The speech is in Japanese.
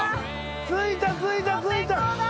着いた着いた着いた！